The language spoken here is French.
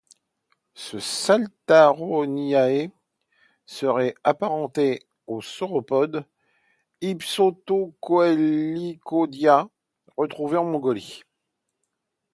Ce saltasaurinae serait apparenté aux sauropodes opisthocoelicaudia, retrouvés en Mongolie.